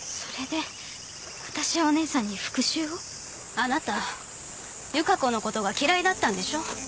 あなた由加子のことが嫌いだったんでしょ？